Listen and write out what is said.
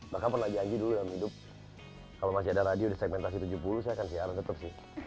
bahkan pernah janji dulu dalam hidup kalau masih ada radio di segmentasi tujuh puluh saya akan siaran tetap sih